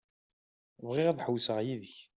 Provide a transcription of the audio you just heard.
Bɣiɣ ad ḥewwseɣ yid-k.